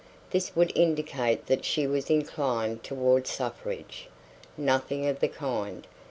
This would indicate that she was inclined toward suffrage. Nothing of the kind.